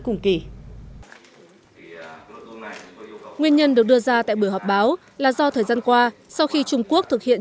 cùng kỳ nguyên nhân được đưa ra tại buổi họp báo là do thời gian qua sau khi trung quốc thực hiện